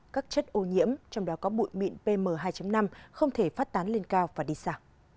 các chất ô nhiễm trong đó có bụi mịn pm hai năm không thể phát tán lên cao và đi xa